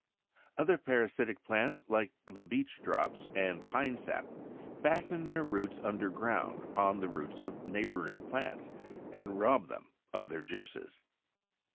Other parasitic plants, like the Beech drops and Pine sap, fasten their roots under ground upon the roots of neighboring plants, and rob them of their juices.